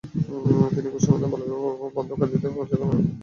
তিনি ঘোষণা দেন, বাল্যবিবাহ বন্ধে কাজিদের প্রশাসনের পক্ষ থেকে সহযোগিতা করা হবে।